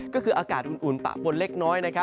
ก็คืออากาศอุ่นปะปนเล็กน้อย